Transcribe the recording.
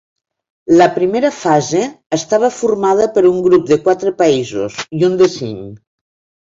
La primera fase estava formada per un grup de quatre països i un de cinc.